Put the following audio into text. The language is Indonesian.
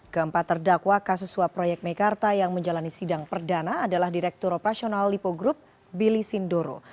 keempat terdakwa kasus suap proyek mekarta yang menjalani sidang perdana adalah direktur operasional lipo group billy sindoro